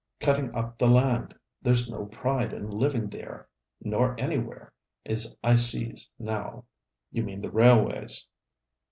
Cutting up the land! There's no pride in livin' theer, nor anywhere, as I sees, now.' 'You mean the railways.'